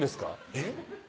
えっ？